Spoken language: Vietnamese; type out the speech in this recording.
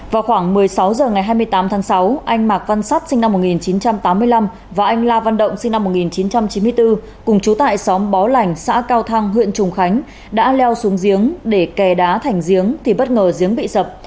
vào khoảng một mươi sáu h ngày hai mươi tám tháng sáu anh mạc văn sắt sinh năm một nghìn chín trăm tám mươi năm và anh la văn động sinh năm một nghìn chín trăm chín mươi bốn cùng chú tại xóm bó lành xã cao thang huyện trùng khánh đã leo xuống giếng để kè đá thành giếng thì bất ngờ giếng bị sập